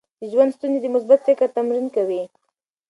د ژوند ستونزې د مثبت فکر تمرین کوي.